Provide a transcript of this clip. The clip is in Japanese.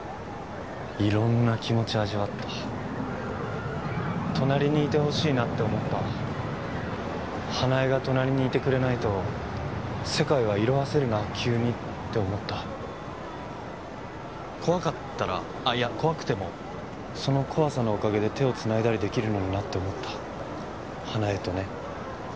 色んな気持ち味わった隣にいてほしいなって思った花枝が隣にいてくれないと世界は色あせるな急にって思った怖かったらあっいや怖くてもその怖さのおかげで手をつないだりできるのになって思った花枝とね